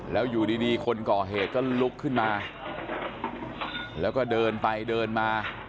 แล้วอยู่ดีคนก่อเหตุก็ลุกขึ้นมาแล้วก็เดินไปเดินมา